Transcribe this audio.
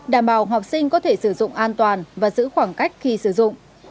đảm bảo học sinh có thể sử dụng an toàn và giữ khoảng cách khi sử dụng